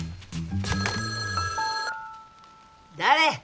誰？